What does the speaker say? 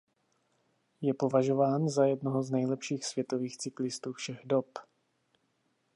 Je považován za jednoho z nejlepších světových cyklistů všech dob.